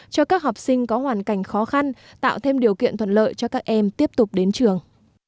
cho các học sinh có hoàn cảnh khó khăn tạo thêm điều kiện thuận lợi cho các em tiếp tục đến trường